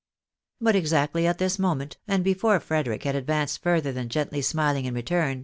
But exactly at this moment, and before Frederic had advanced further than gently smiling in return.